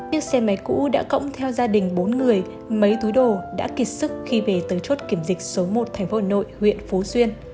chiếc xe máy cũ đã cộng theo gia đình bốn người mấy túi đồ đã kịt sức khi về tới chốt kiểm dịch số một thành phố nội huyện phú xuyên